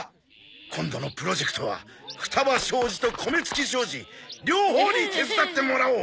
今度のプロジェクトは双葉商事と米月商事両方に手伝ってもらおう！